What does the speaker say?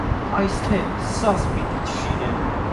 Այս թէ՝ սազ պիտի շինեմ։